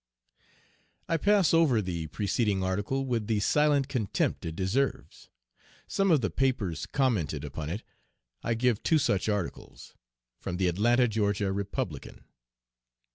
I pass over the preceding article with the silent contempt it deserves. Some of the papers commented upon it. I give two such articles: (From the Atlanta (Ga.) Republican.)